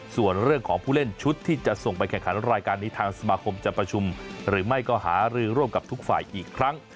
ส่วนเรื่องของผู้เล่นชุดที่จะส่งไปแข่งขันรายการนี้ทางสมาคมจะประชุมหรือไม่ก็หารือร่วมกับทุกฝ่ายอีกครั้ง